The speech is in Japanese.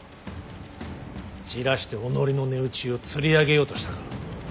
じらして己の値打ちをつり上げようとしたか。